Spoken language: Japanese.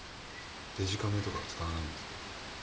デジカメとか使わないんですか？